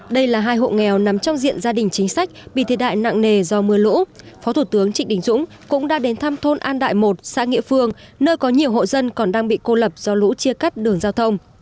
đây là hai hộ nghèo nằm trong diện gia đình chính sách bị thiệt hại nặng nề do mưa lũ phó thủ tướng trịnh đình dũng cũng đã đến thăm thôn an đại một xã nghĩa phương nơi có nhiều hộ dân còn đang bị cô lập do lũ chia cắt đường giao thông